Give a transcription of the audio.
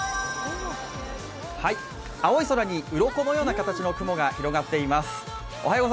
青い空にうろこのような形の雲が広がっています。